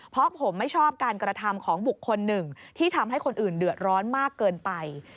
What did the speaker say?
เพราะผมไม่ชอบการกระทำของบุคคลหนึ่งที่ทำให้คนอื่นเดือดร้อนมากเกินไป